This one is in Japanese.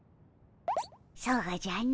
そうじゃの。